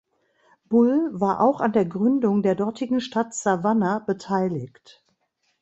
Bull war auch an der Gründung der dortigen Stadt Savannah beteiligt.